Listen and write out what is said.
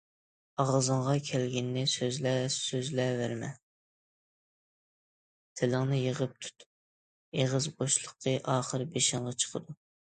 ئاغزىڭغا كەلگىنىنى سۆزلە سۆزلەۋەرمە، تىلىڭنى يىغىپ تۇت، ئېغىز بوشلۇقى ئاخىر بېشىڭغا چىقىدۇ.